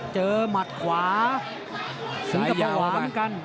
เจอหมัดขวาถึงกระเป๋าหาเหมือนกัน